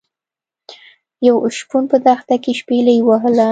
یو شپون په دښته کې شپيلۍ وهله.